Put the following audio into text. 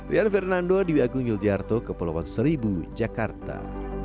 rian fernando di wi agung yuljarto kepulauan seribu jakarta